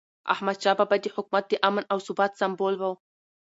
احمدشاه بابا د حکومت د امن او ثبات سمبول و.